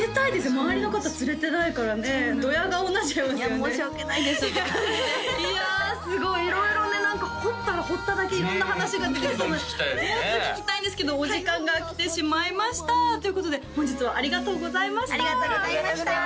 周りの方釣れてないからねドヤ顔になっちゃいますよね申し訳ないですって感じでいやすごい色々ね掘ったら掘っただけ色んな話が出てきそうなもっと聞きたいんですけどお時間が来てしまいましたということで本日はありがとうございましたありがとうございました